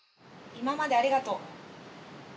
今までありがとう。